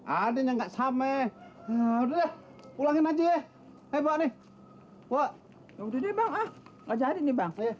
adanya enggak sama udah pulangin aja hebat nih buat udah deh bang ah nggak jadi nih bang